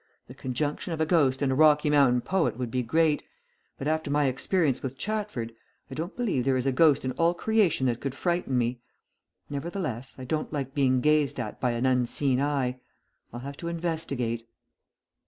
The conjunction of a ghost and a Rocky Mountain poet would be great, but after my experience with Chatford, I don't believe there is a ghost in all creation that could frighten me. Nevertheless, I don't like being gazed at by an unseen eye. I'll have to investigate."